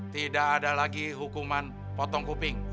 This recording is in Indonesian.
tidak ada lagi hukuman potong kuping